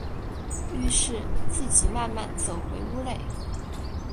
於是自己慢慢走回屋内